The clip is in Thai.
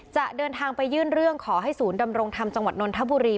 จะเดินทางไปยื่นเรื่องขอให้ศูนย์ดำรงธรรมจังหวัดนนทบุรี